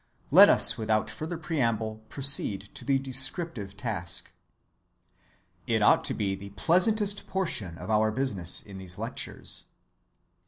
Let us without further preamble proceed to the descriptive task. It ought to be the pleasantest portion of our business in these lectures.